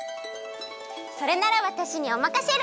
それならわたしにおまかシェル！